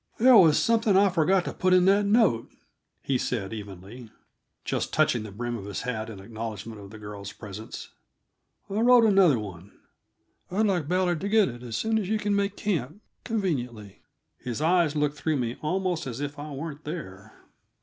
"There was something I forgot to put in that note," he said evenly, just touching the brim of his hat in acknowledgment of the girl's presence. "I wrote another one. I'd like Ballard to get it as soon as you can make camp conveniently." His eyes looked through me almost as if I weren't there.